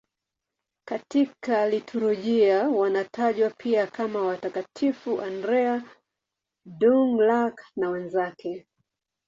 Katika liturujia wanatajwa pia kama Watakatifu Andrea Dũng-Lạc na wenzake.